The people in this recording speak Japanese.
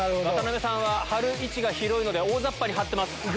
渡辺さんは貼る位置が広いので大ざっぱに貼ってます。